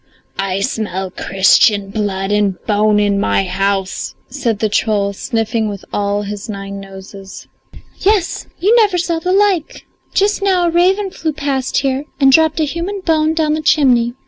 I smell Christian blood and bone in my house," said the troll, sniffing with all his nine noses. "Yes, you never saw the like! Just now a raven flew past here and dropped a human bone down the chimney.